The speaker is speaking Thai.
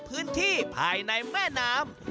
พื้นที่ภายในแม่น้ำ